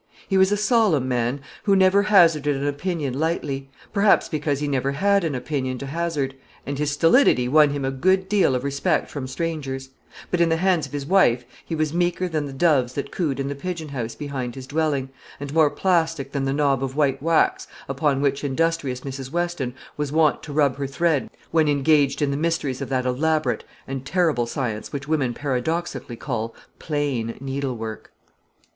He was a solemn man, who never hazarded an opinion lightly, perhaps because he never had an opinion to hazard, and his stolidity won him a good deal of respect from strangers; but in the hands of his wife he was meeker than the doves that cooed in the pigeon house behind his dwelling, and more plastic than the knob of white wax upon which industrious Mrs. Weston was wont to rub her thread when engaged in the mysteries of that elaborate and terrible science which women paradoxically call plain needlework.